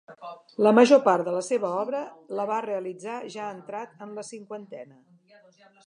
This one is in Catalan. La major part de la seva obra la va realitzar ja entrat en la cinquantena.